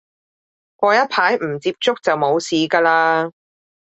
過一排唔接觸就冇事嘅喇